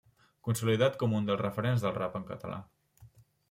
Consolidat com un dels referents del Rap en Català.